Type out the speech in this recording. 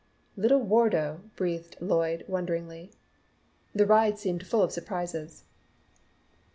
"Little Wardo!" breathed Lloyd wonderingly. The ride seemed full of surprises.